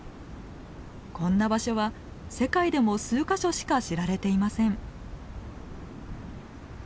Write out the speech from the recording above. こんな場所は世界でも数か所しか知られていません。